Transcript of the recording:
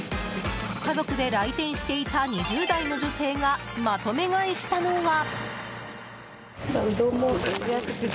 家族で来店していた２０代の女性がまとめ買いしたのは。